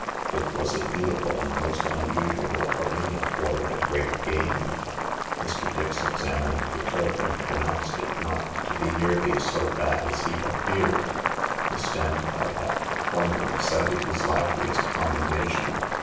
It was a beautiful and most unusual arena for the great game. Mr. Dix examined the turf and pronounced it not to be THE LARK 168 nearly so bad as he had feared ; the standpipe at the corner excited his liveliest commendation.